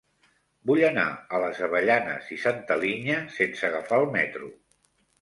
Vull anar a les Avellanes i Santa Linya sense agafar el metro.